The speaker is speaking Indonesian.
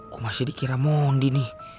kok masih dikira mondi nih